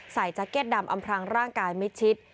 ใส่แจ๊กเก็ตดำอำพลังร่างกายไม่ชิด